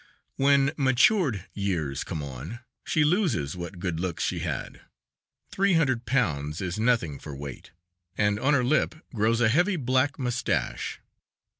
When matured years come on, she loses what good looks she had; three hundred pounds is nothing for weight, and on her lip grows a heavy, black mustache.